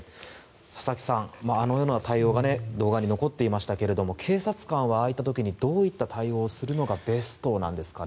佐々木さん、あのような対応が動画に残っていましたが警察官はああいった時にどういった対応をするのがベストなんですかね。